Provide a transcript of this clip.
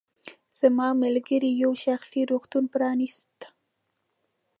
زما ملګرې یو شخصي روغتون پرانیسته.